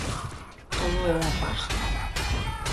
Todo é unha farsa.